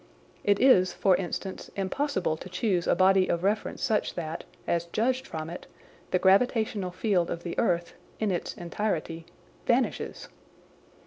It is, for instance, impossible to choose a body of reference such that, as judged from it, the gravitational field of the earth (in its entirety) vanishes.